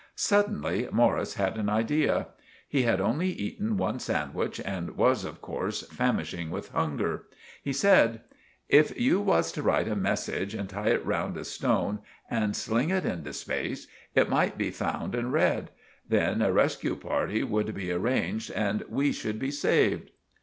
Suddenly Morris had an idea. He had only eaten one sandwich and was of course famishing with hunger. He said— "If you was to write a message and tie it round a stone and sling it into space, it might be found and red. Then a resque party would be arranged and we should be saved."